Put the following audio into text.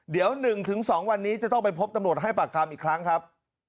เดี๋ยว๑๒วันนี้จะต้องไปพบตำรวจให้ปากคำอีกครั้งครับ